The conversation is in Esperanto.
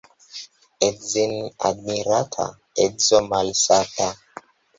Edzin' admirata — edzo malsata.